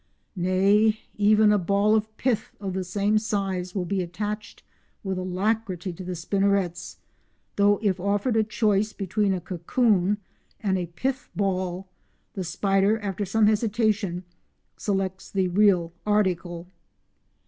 Nay, even a ball of pith of the same size will be attached with alacrity to the spinnerets, though if offered a choice between a cocoon and a pith ball the spider, after some hesitation, selects the real article.